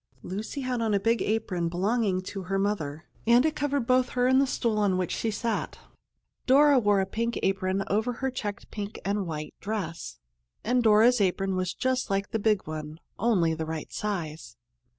Lucy had on a big apron belonging to her mother, and it covered both her and the stool on which she sat. Dora wore a pink apron over her checked pink and white dress, and Dora's apron was just like the big one, only the right size.